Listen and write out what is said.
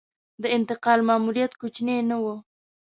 د انتقال ماموریت کوچنی نه و.